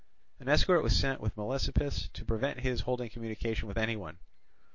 An escort was sent with Melesippus to prevent his holding communication with any one.